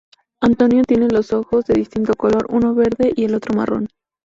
Antonio tiene los ojos de distinto color, uno verde y el otro marrón.